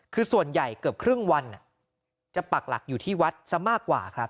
คือส่วนใหญ่เกือบครึ่งวันจะปักหลักอยู่ที่วัดซะมากกว่าครับ